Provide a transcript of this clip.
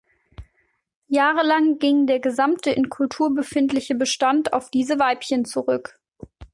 Jahrelang ging der gesamte in Kultur befindliche Bestand auf diese Weibchen zurück.